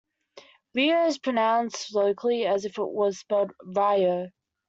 Rio is pronounced locally as if it were spelled Rye-oh.